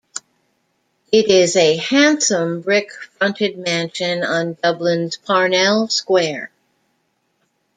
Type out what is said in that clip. It is a handsome brick fronted mansion on Dublin's Parnell Square.